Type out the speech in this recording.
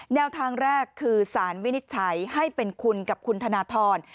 แนวทางแรกคือสารวินิจฉัยให้เป็นคุณกับคุณธนทร